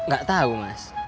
gak tau mas